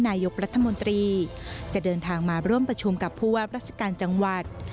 นายกรัฐมนตรีจะเดินทางมาร่วมประชุมกับผู้ว่าราชการจังหวัด